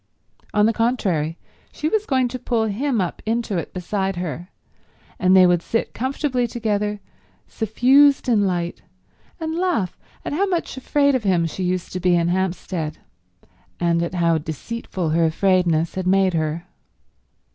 On the contrary, she was going to pull him up into it beside her, and they would sit comfortably together, suffused in light, and laugh at how much afraid of him she used to be in Hampstead, and at how deceitful her afraidness had made her.